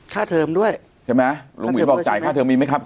เทอมด้วยใช่ไหมลุงหวินบอกจ่ายค่าเทอมมีไหมครับ